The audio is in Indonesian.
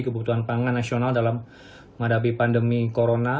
kebutuhan pangan nasional dalam menghadapi pandemi corona